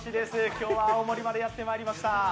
今日は青森までやってまいりました。